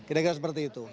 kira kira seperti itu